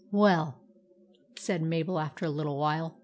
" "Well," said Mabel after a little while.